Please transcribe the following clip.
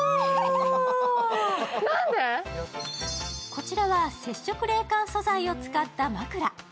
こちらは接触冷感素材を使った枕。